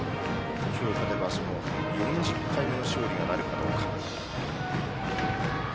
今日、勝てば４０回目の勝利となるかどうか。